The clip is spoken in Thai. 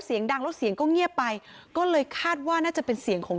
เสียงดังแล้วเสียงก็เงียบไปก็เลยคาดว่าน่าจะเป็นเสียงของ